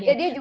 iya dia juga